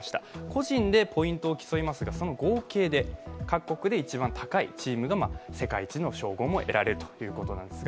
個人でポイントを競いましてその合計で各国で一番高いチームが世界一の称号も得られるということです。